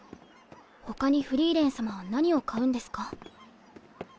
他にフリーレン様は何を買うんですか？